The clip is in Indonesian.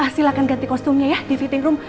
silahkan ganti kostumnya ya di fitting room